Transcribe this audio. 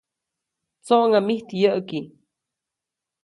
‒¡Tsoʼŋa mijt yäʼki!‒.